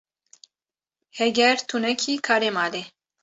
Heger tu nekî karê malê